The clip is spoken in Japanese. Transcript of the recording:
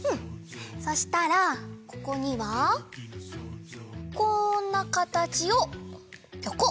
そしたらここにはこんなかたちをぴょこ！